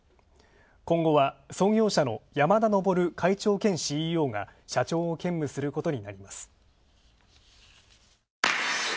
今後は創業者の山田昇会長兼ＣＥＯが社長を兼務することになります。